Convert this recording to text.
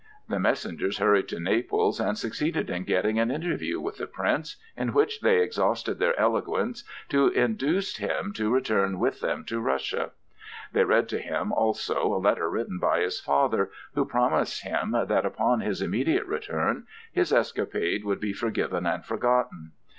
The messengers hurried to Naples and succeeded in getting an interview with the Prince, in which they exhausted their eloquence to induce him to return with them to Russia. They read to him also a letter written by his father, who promised him that, upon his immediate return, his escapade would be forgiven and forgotten.